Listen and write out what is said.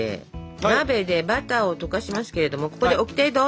鍋でバターを溶かしますけれどもここでオキテどうぞ！